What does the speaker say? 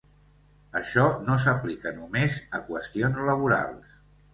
Això no s'aplica només a qüestions laborals.